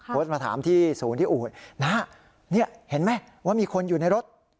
โพสต์มาถามที่ศูนย์ที่อูดน้านี่เห็นไหมว่ามีคนอยู่ในรถ